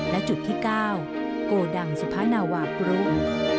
และจุดที่๙โกดังสุภานาวากรุง